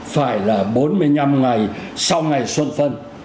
phải là bốn mươi năm ngày sau ngày xuân phân